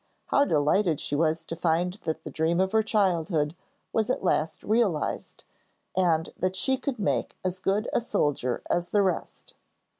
How delighted she was to find that the dream of her childhood was at last realised, and that she could make as good a soldier as the rest.